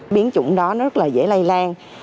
biến chủng đó rất là dễ lây lan